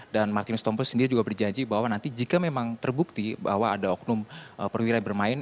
dan martinus hitompul sendiri juga berjanji bahwa nanti jika memang terbukti bahwa ada oknum perwira yang bermain